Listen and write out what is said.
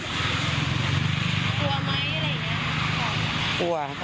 กลัวไหมอะไรอย่างนี้